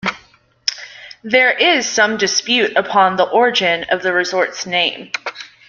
There is some dispute upon the origin of the resort's name.